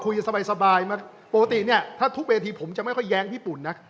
คือคุยสบายปกติถ้าทุกเวทีผมจะไม่ย้างพี่ปุ่นนะ